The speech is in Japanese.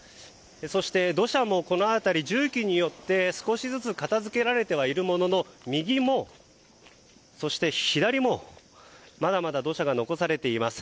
そして土砂もこの辺り重機によって少しずつ片づけられてはいるものの右も左もまだまだ土砂が残されています。